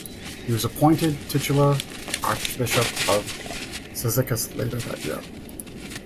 He was appointed Titular Archbishop of Cyzicus later that year.